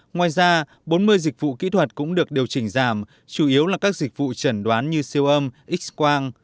ngoài ra bốn mươi dịch vụ kỹ thuật cũng được điều chỉnh giảm chủ yếu là các dịch vụ trần đoán như siêu âm x quang